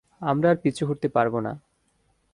আমরা আর পিছু হটতে পারবো না।